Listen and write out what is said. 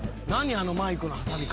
あのマイクの挟み方。